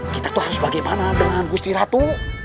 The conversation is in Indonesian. kita tuh harus bagaimana dengan gusti ratu